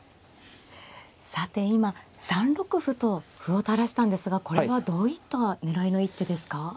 さて今３六歩と歩を垂らしたんですがこれはどういった狙いの一手ですか？